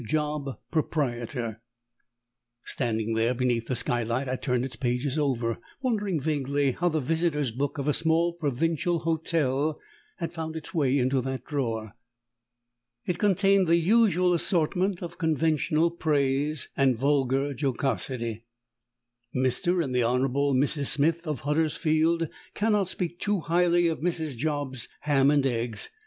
JOB, Proprietor. Standing there beneath the skylight I turned its pages over, wondering vaguely how the visitors' book of a small provincial hotel had found its way into that drawer. It contained the usual assortment of conventional praise and vulgar jocosity: _Mr. and the Hon. Mrs. Smith of Huddersfield, cannot speak too highly of Mrs. Job's ham and eggs.